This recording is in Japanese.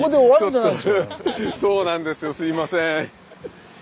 そうなんですよすいません。